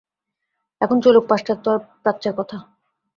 এখন চলুক পাশ্চাত্য আর প্রাচ্যের কথা।